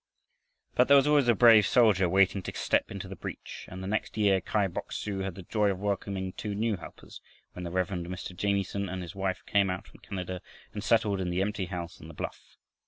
But there was always a brave soldier waiting to step into the breach, and the next year Kai Bok su had the joy of welcoming two new helpers, when the Rev. Mr. Jamieson and his wife came out from Canada and settled in the empty house on the bluff.